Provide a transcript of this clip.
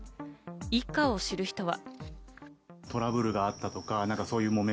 一家を知る人は。